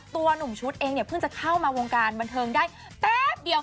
หนุ่มชุดเองเนี่ยเพิ่งจะเข้ามาวงการบันเทิงได้แป๊บเดียว